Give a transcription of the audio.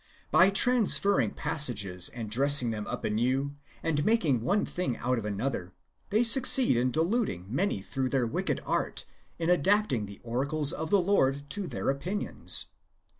By transferring passages, and dressing them up anew, and making one thing out of another, they succeed in deluding many through their wicked art in adapting the oracles of the Lord to their opinions.